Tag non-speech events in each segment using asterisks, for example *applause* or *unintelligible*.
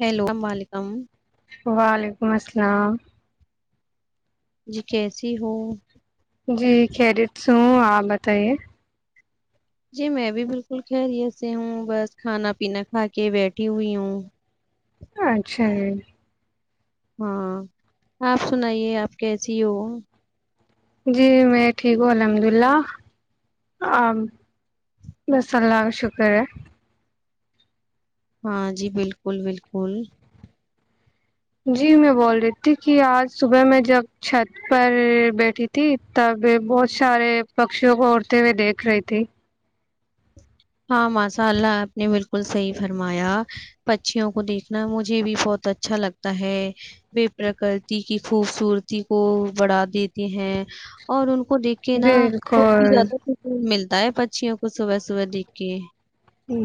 hello اللام علیکم وعلیکم السلام ج کیسی ہو جی خریت تووں آپ بتائیے جی میں بھی بالکل خیریت سے ہوں بس کھانا پینا کھا کے بیٹھی ہوئی ہوں اچھا جی ہاں آپ سنائیے آپ کیسی ہو جی میں ٹھیک ہوں الحمد للہ آپ بس اللہ کا شکر ہے ہاں جی بالکل بالکل جی میں بول رہی تھی کہ آج صبح میں جب چھت پر بیٹھی تھی تب بہت سارے پکشیوں کو اڑتے ہوئے دیکھ رہی تھی ہاں ماساء اللہ آپ نے بالکل صحیح فرمایا پچیوں کو دیکھنا مجھے بھی بہت اچھا لگتا ہے ب پرکرتی کی خوبصورتی کو بڑھا دیتے ہیں اور ان کو دیک کےے نہا بالکل زیادہ کھ مل ائے پکچیوں کو صبح صبح دیکھ کہ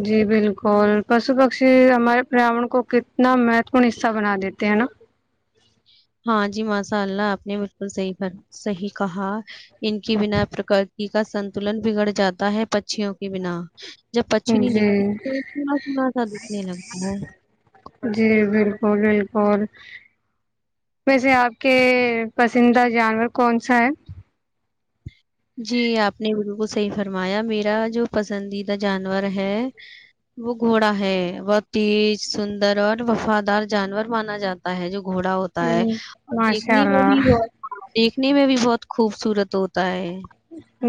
جی بالکل پشو پکشی ہمارے پرن کو کتنا مہتوپورن حصہ بنا دیتے ہیں ہے نا ہاں جی ماشاء اللہ آپ نے بالکل صحیح صحیح کہا ان کی بنا پرکرتی کا سنتلن بگڑ جاتا ہے پچوں کے بنا جب پچنی جی دکھتی تو تھوڑا تھوڑا سا دکھنے لگتا ہے بالک ویسے آپ کے پسندیدہ جانور کون سا ہے جی آپ نے بالو کو صحیح فرمایا میرا جو پسندیدہ جانور ہے وہ گھوڑا ہے بہت تیج سندر اور وفادار جانور مانا جاتا ہے جو گھوڑا ہوتا ہے ہوں اور ایک ماشاء نہیں اللہ ہو دیکھنے میں بھی بہت خوبصورت ہوتی ت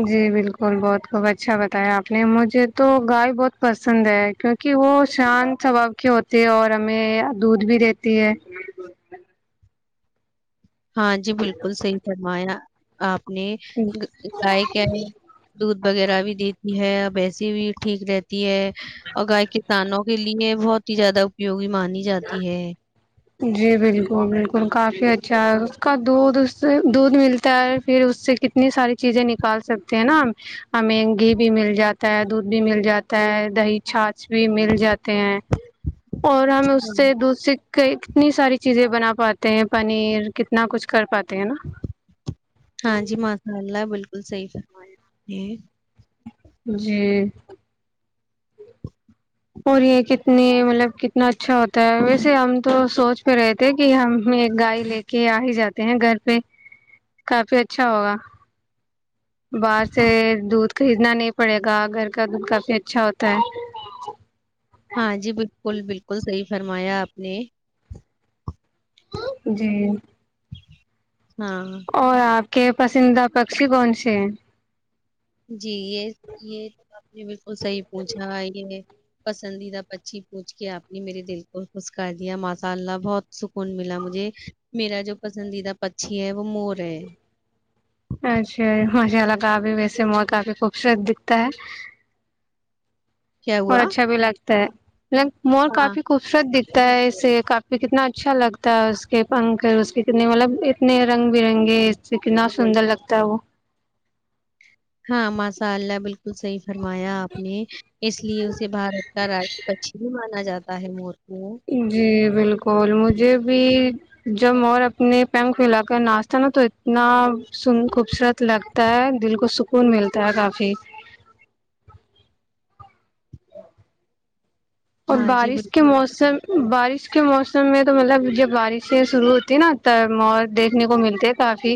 جی بالکل بہت خب اچھا بتایا آپ نے مجھے تو گائے بہت پسند ہے کیونکہ وہ شانت سبھاؤ کے ہوتی ہے اور ہمیں دودھ بھی دیتی ہے ہاں جی بالکل صحی کررما ہے آپ اپنے گائے کیا دودھ وغیرہ بھی دیتی ہے ا *inaudible* ویسی بھی ٹھیک رہتی ہے اور گائے کسانوں کے لیے بہت ہی زیادہ اپیوگی مان *unintelligible* جی بالکل بالکل کافی اچھ *unintelligible* اچھا اس کا دودھ اس سے دودھ ملتا ہے پھر اس سے کتنی ساری چیزیں نکال سکتے ہیں نا ہم ہمیں گھی بھی مل جاتا ہے دودھ بھی مل جاتا ہے دہی چھاچھ بھی مل جاتے ہیں *unintelligible* اور ہاں ہمیں دودھ سے کتنی ساری چیزیں بنا پاتے ہیں پنیر کتنا کچھ کر پاتے ہیں نا *unintelligible* ہاں جی ماشاء اللہ بالکل صحی فرما *unintelligible* جی *inaudible* اور یہ کتنے مطلب کتنا اچھا ہوتا ہے ویسے ہم تو سوچ پ رہے تھ کہ ہم ایک گائے لے کے آ ہی جاتے ہیں گھر پہ کافی اچھا ہوگا باہر سے دودھ *unintelligible* *inaudible* ہاں جی بالکل بالکل صی فرمایا آپ نے جی ہاں *inaudible* اور آپ کے پسندیدہ پکشی کون سے ہیں جی یہ یہ تو آپ نے بالکل صحیح پوچھا یہ پسندیدہ پچھی پوچھ کے آپ نے میرے دل کو خوش کر دیا ماساء اللہ بہت سکون ملا مجھے میرا جو پسندیدہ پچھی ہے وہ مور ہے کا بھی ویسے مول کافی خوبصورت دکھتا ہے کیا اور ہوا اچھا بھی لگتا تو مول ہاں کافی خوبصورت دکھتا ہے اسے کافی کتنا اچھا لگتا ہے اس کے پنکھ اس کے کتنے مطلب اتنے رنگ برنگے کتنا سندر لگتا ہے وہ *unintelligible* ہاں ماساء اللہ بالکل صحیح *unintelligible* فرمایا آپ نے اس لیے اسے بھارت کا را پچ مانا جاتا *inaudible* ہے م *inaudible* جی *inaudible* بالکل مجھے بھی جب اور اپنے پیمک کلا کر ناشتا نا تو اتنا *unintelligible* سن خوبصورت لگ *unintelligible* ہے دل کو سکون ملتا ہے کافی *inaudible* اور ہاں جی بالکل بارش کے موسم *unintelligible* بارش کے موسم میں تو مطلب جب بارشیں شروع ہوتی نا تب م دیکھنے کو ملتے کافی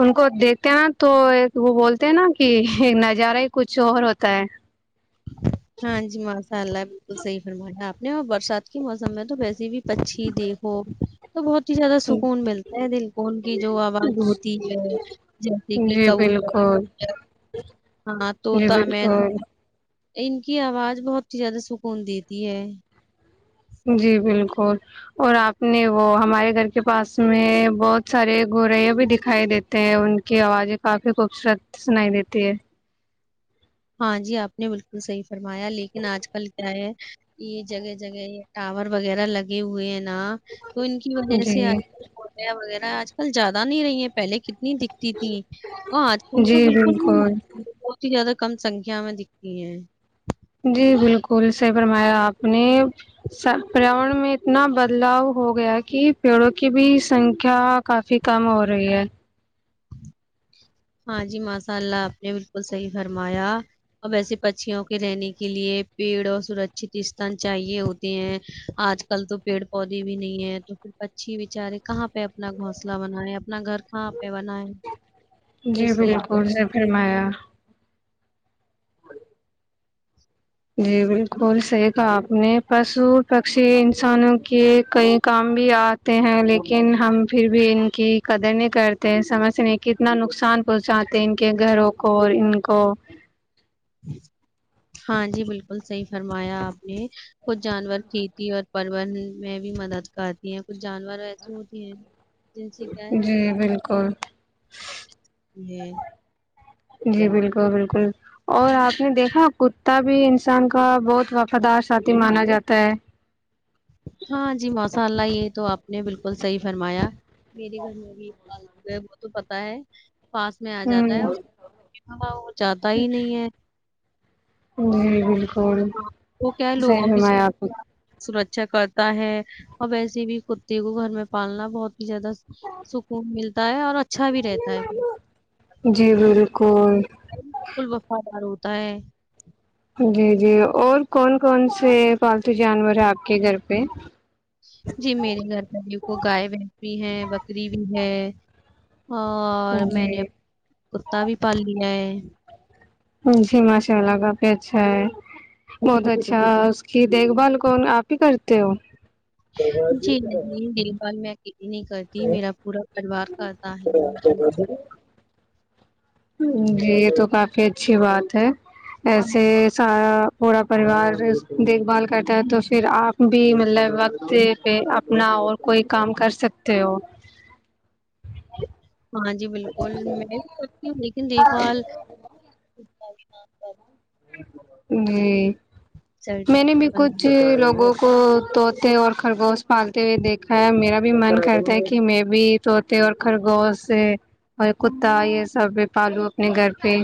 ان کو دیکھتے ہیں نا تو وہ بولتے ہیں نا کہ ایک نظارہ ہی کچھ اور ہوتا ہے *inaudible* ہاں جی ماشاء اللہ بالکل صحیح فرمایا آپ نے برسات کے موسم میں تو ویسے بھی *unintelligible* پچھی دیکھو *inaudible* تو بہت ہی زیادہ سکون ملتا ہے دل کو ان کی جو آواز ہوتی ہے جیسے کہ جی بالکل کبوترر ہاں جی طوط میںل بالکل *unintelligible* ان کی آواز بہت ہی زیادہ سکون دیتی ہے جی بالکل اور آپ نے وہ ہمارے گھر کے پاس میں بہت سارے گوریاں بھی دکھائی دیتے ہیں ان کی آوازیں کافی خوبصورت سنائی دیتی ہے ہاں جی آپ نے بالکل صحی فرمایا لیکن آج کل کیا ہے یہ جگہ جگہ یہ ٹاور وغیرہ لگے ہوئے ہیں تو ان کی وجہ سے جی آج کل وغیرہ *unintelligible* آج کل زیادہ نہیں رہی ہے پہلے ک نہیں دکھتی تھی اور آج کل تو بالکل ہی ٹ ہے *unintelligible* کم سنکھیا میں دکھتی ہیں جی بالکل سی فرمایا آپ نے پریاورن میں اتنا بدلاؤ ہو گیا کہ پیڑوں کی بھی سنکھیا کافی کم ہو رہی ہے ہاں جی ماشاء اللہ آپ نے بالکل صحیح فرمایا اور ویسے پچھیوں کے رہنے کے لیے پیڑ اور سرکچت استن چاہیے ہوتے ہیں آج کل تو پیڑ پودے بھی نہیں ہے تو پھر پچھی بیچارے کہاں پہ اپنا گھسلہ بنائے اپنا گھر کہاں پہ بنائے تو جی اس لیے بالکل سے فرمایا جی بالکل صحیح کہاپ نے پشو پکشی انسانوں کے کئی کام بھی آتے ہیں لیکن ہم پھر بھی ان کی قدر نہیں کرتے سمج سے نہیں کتنا نقصان پہنچاتے ان کے گھروں کو اور ان کو ہاں جی بالکل صحیح فرمایا آپ نے کچھ جانور کھیتی اور پر میں بھی مدد کرتی ہیں کچھ جانور ایسے ہوتے ہیں جن سے کیا ہے جی بالکل یہ *unintelligible* جی بالکل بالکل اور آپ نے دیکھا کتا بھی انسان کا بہت وفادار ساتھی مانا جاتا ہے ہاں جی ماساء اللہ یہ تو آپ نے بالکل صحیح فرمایا میرے گھر میں بھی پالتو ہے وہ تو پت ہے پاس میں آ جاتا ہے ہوں وہ جاتا ہی نہیں ہے جی بالکل وہ صحی بھی میں آپ *unintelligible* چ کت *unintelligible* تا ہے اور ویسے بھی کتے کو گھر میں پالنا بہت زیادہ سکون ملتا ہے اور اچھا بھی رہتا ہے بالکل وفادار ہ ت *inaudible* جی جی اور کون کون سے پالتو جانور ہیں آپ کے گھر پہ جی میرے گھر والاری کو غائب ہے بھی ہیں بکری بھی ہے اور میں نے جی کتا بھی پالالیا ہے *inaudible* جی ماشاءلہ کافی اچھا ہے بہت اچھا اس کی دیکھ بھال کون آپ ہی کرتے ہو جی نہیں دل بال میں نہیں کرتی میرا پورا پریوار کرتا ہے جی یہ تو کافی اچھی بات ہے ایسے سارا پورا پریوار دیکھ بھال کرتا ہے تو پھر آپ بھی مطلب وقت پہ اپنا اور کوئی کام کر سکتے ہو ہاں جی بالکل میں بھی سچتی ہوں لیکن دیکھ بھال اچ سچ جی میں نے سرٹیفکیٹ بھی بنا کچھ لوگوں کو طوط اور خرگوش پالتے ہوئے دیکھا ہے میرا بھی من کرتا ہے کہ میں بھی طوط اور خرگوش اور کتا یہ سب پالوں اپنے گھر پہ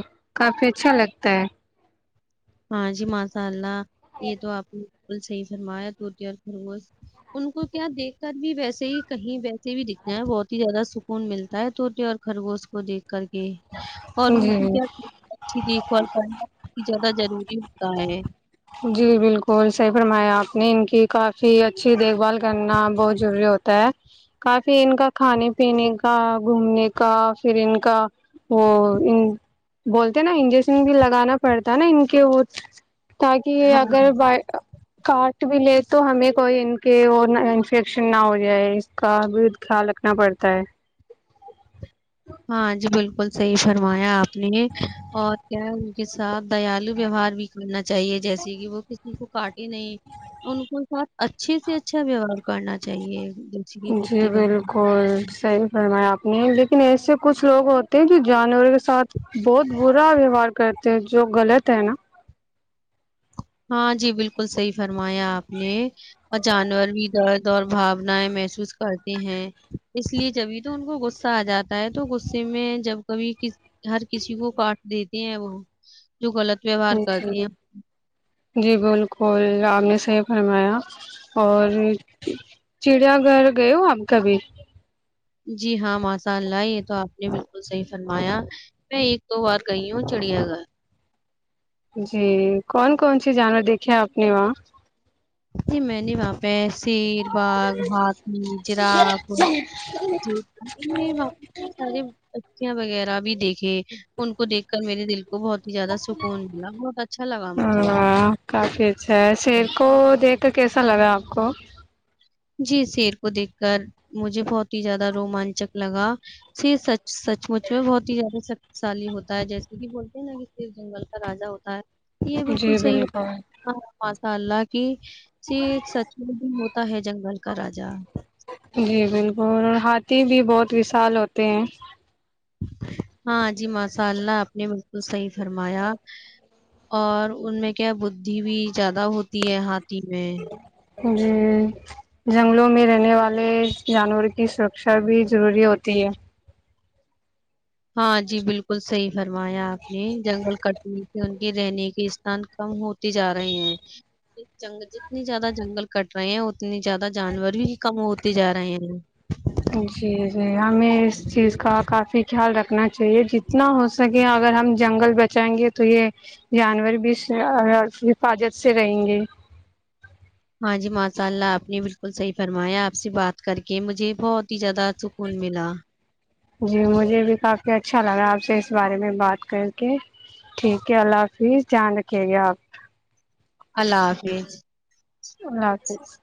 کافی اچھا لگتا ہے ہاں جی ماسء اللہ یہ تو آپ صحی فرمایا توتی اور خرگوش ان کو کیا دیکھ کر بھی ویسے ہی کہیں ویسے بھی دکھنا ہے بہت ہی زیادہ سکون ملتا ہے توتی اور خرگوش کو دیکھ کر کے اور ہے جی کیا دیکھ بھال کر جب ضروری ہوتا ہے جی بالکل صحی فرمایا آپ نے ان کی کافی اچھی دیکھ بھال کرنا بہت ضروری ہوتا ہے کافی ان کا کھانے پینے کا گھومنے کا پھر ان کا وہ بولتے نا انجشن بھی لگانا پڑتا ہے نا ان کے وہ تاکہ ہاں اگر ب کاٹ بھی لے تو ہمیں کوئی ان کے اور انفیکشن نہ ہو جائے اس کا بھی خیال رکھنا پڑتا ہے ہاں جی بالکل صحیح فرمایا آپ نے اور کیا ان کے ساتھ دیالو ویوہار بھی کرنا چاہیے جیسے کہ وہ کسی کو کاٹے نہیں ان کو ساتھ اچھے سے اچھا ویوہار کرنا چاہیے جیسے کہ جی کتے وغیرہ بالکل صحی فرمایا آپ نے ل لن ایسے کچھ لوگ ہوتے ہیں جو جانور کے ساتھ بہت برا ویوہار کرتے ہیں جو غلط ہے نا ہاں جی بالکل صی فر فرمایا آپ نے اور جانور بھی دس دور بھاناائیں محسوس کرتے ہیں اس لیے جبھی تو ان کو غصہ آ جاتا ہے تو غصے میں جب کبھی ک ہر کسی کو کاٹ دیتے یہ وہ جو غلط ویوہار کرتی جی ہیں جی بالکل آپ نے صحیح فرمایا اور چڑیا گھر گئے ہو آپ کبھی جی ہاں ماساء اللہ یہ تو آپ نے بالکل صحیح فرمایا میں ایک دو بار گئی ہوں چڑیا گھر جی کون کون سی جانور دیکھے آپ نے وہاں جی میں نے واپس شیر باغ ہاتاتھی جراب ج واپس سارےچ ں وغیرہ بھی دیکھے ان کو دیکھ کر میرے دل کو کو بہت ہی زیادہ سکون ملا بہت اچھا لگا مجھے واہ تو کیسا لگا آپ کو جی شیر کو دیکھ کر مجھے بہت ہی زیادہ روومانچک لگا شیر سچ سچ مچ میں بہت ہی زیادہ شکتیشالی ہوتا ہے جیسے کہ بولتے ہیں نا کہ شیر جنگل کا راجا ہوتا ہے یہ بالکل جی صحی بات بالکل ہ حالاک س سچ بھی ہو ہے جنگل کا راجا جی بالکل اور ہاتھی بھی بہت وشال ہوتے ہیں ہاں جی ماشاء اللہ آپ نے بالکل صحیح فرمایا اور ان میں کیا بدھی بھی زیادہ ہوتی ہے ہاتھی میں جی جنگلوں میں رہنے والے جانور کی سرکشا بھی ضروری ہوتی ہے ہاں جی بالکل صحیح فرمایا آپ نے جنگل کٹنے سے ان کے رہنے کے استان کم ہوتے جا رہے ہیں جنگ جتنی زیادہ جنگل کٹ رہے ہیں اتنی زیادہ جانور بھی کم ہوتے جا رہے ہیں جی جی ہمیں اس چیز کا کافی خیال رکھنا چاہیے جتنا ہو سکے اگر ہم جنگل بچائیں گے تو یہ جانور بھی حفاظت سے رہیں گے ہاں جی ماشاء اللہ آپ نے بالکل صحیح فرمایا آپ سے بات کر کے مجھے بہت ہی زیادہ *unintelligible* ملا جی مجھے بھی کافی اچھا لگ رہا ہے آپ سے اس بارے میں بات کر کے ٹھیک ہے اللہ حافظ جھیان رکھھیے گا آپ *unintelligible* اللہ حافظ *unintelligible* اللہ حافظ *unintelligible*